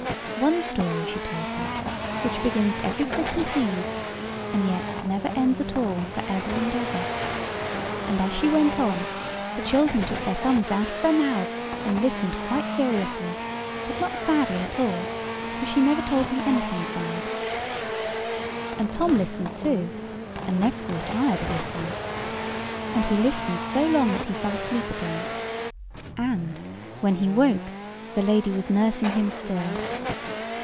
One story she told them, which begins every Christmas Eve, and yet never ends at all for ever and ever; and, as she went on, the children took their thumbs out of their mouths and listened quite seriously; but not sadly at all; for she never told them anything sad; and Tom listened too, and never grew tired of listening. And he listened so long that he fell fast asleep again, and, when he woke, the lady was nursing him still.